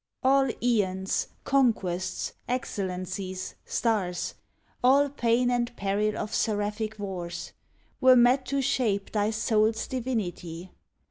All seons, conquests, excellencies, stars, All pain and peril of seraphic wars, Were met to shape thy soul's divinity.